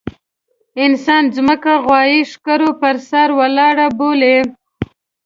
انسان ځمکه غوايي ښکرو پر سر ولاړه بولي.